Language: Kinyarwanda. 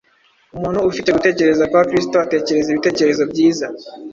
Umuntu ufite gutekereza kwa Kristo atekereza ibitekerezo byiza